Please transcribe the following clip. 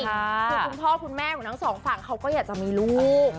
คือคุณพ่อคุณแม่ของทั้งสองฝั่งเขาก็อยากจะมีลูก